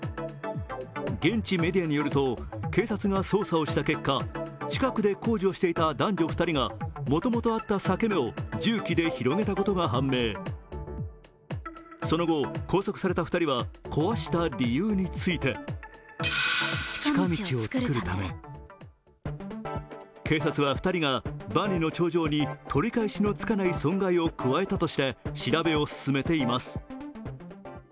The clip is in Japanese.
現地メディアによると警察が捜査をした結果、近くで工事をしていた男女２人がもともとあった裂け目を重機で広げたことが判明、その後、拘束された２人は壊した理由について警察は２人が万里の長城に取り返しのつかない損害を加えたとして調べを進めています。